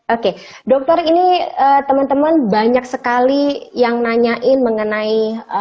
oke dokter ini teman teman banyak sekali yang nanyain mengenai